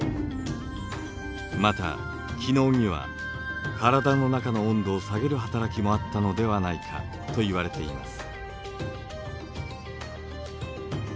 また気のうには体の中の温度を下げる働きもあったのではないかといわれています。